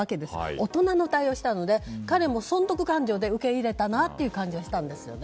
大人の対応をしたので彼も損得勘定で受け入れたなという感じはしたんですよね。